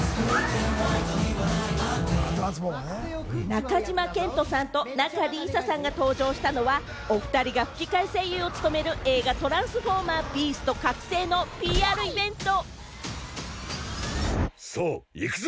中島健人さんと仲里依紗さんが登場したのは、おふたりが吹き替え声優を務める映画『トランスフォーマー／ビースト覚醒』のＰＲイベント。